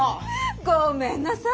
ごめんなさい。